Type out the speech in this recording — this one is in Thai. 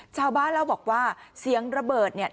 ชาวบ้านเล่าบอกว่าเสียงระเบิดเนี่ย